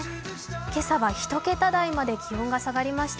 今朝は１桁台まで気温が下がりました。